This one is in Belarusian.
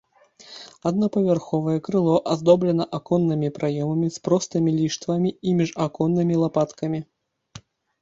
Аднапавярховае крыло аздоблена аконнымі праёмамі з простымі ліштвамі і міжаконнымі лапаткамі.